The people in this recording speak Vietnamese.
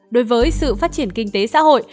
đối với sự phát triển kinh tế xã hội